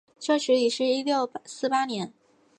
这时已是一六四八年。